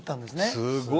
すごい！